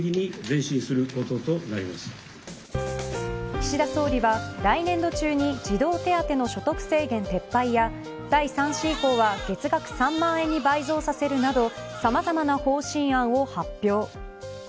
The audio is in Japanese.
岸田総理は、来年度中に児童手当の所得制限撤廃や第３子以降は月額３万円に倍増させるなどさまざまな方針案を発表。